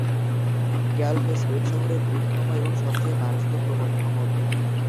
Gall Face Green শহরের বৃহত্তম এবং সবচেয়ে মার্জিত প্রমোদভ্রমণ।